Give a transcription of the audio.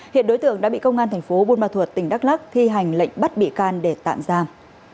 hiện đối tượng đã bị công an thành phố buôn ma thuật tỉnh đắk lắc thi hành lệnh bắt bị can để tạm giam